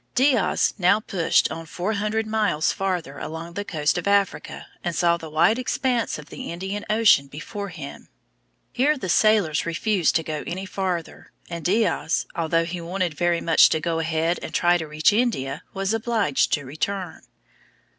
Diaz now pushed on four hundred miles farther along the coast of Africa, and saw the wide expanse of the Indian Ocean before him. Here the sailors refused to go any farther, and Diaz, although he wanted very much to go ahead and try to reach India, was obliged to return.